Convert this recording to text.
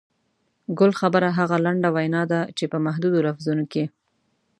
ګل خبره هغه لنډه وینا ده چې په محدودو لفظونو کې.